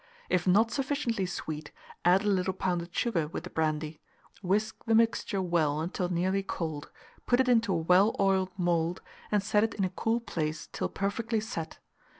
If not sufficiently sweet, add a little pounded sugar with the brandy; whisk the mixture well until nearly cold, put it into a well oiled mould, and set it in a cool place till perfectly set.